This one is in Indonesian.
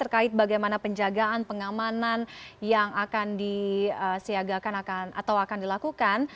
terkait bagaimana penjagaan pengamanan yang akan disiagakan atau akan dilakukan